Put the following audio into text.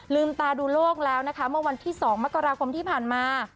ลืมตาดูโลกแล้วนะคะเมื่อวันที่๒มกราคมที่ผ่านมา